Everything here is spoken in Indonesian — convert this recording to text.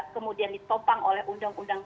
kemudian ditopang oleh undang undang